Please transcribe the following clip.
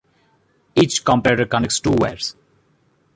Each comparator connects two wires.